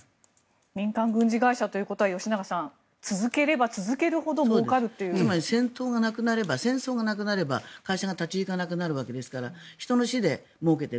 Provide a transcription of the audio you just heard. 民間軍事会社ということは吉永さん続ければ続けるほどつまり戦争がなくなれば会社が立ち行かなくなるわけですから人の死でもうけている。